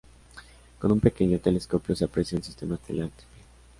Con un pequeño telescopio se aprecia un sistema estelar triple.